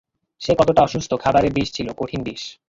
সে কতটা অসুস্থ, খাবারে বিষ ছিল, কঠিন বিষ।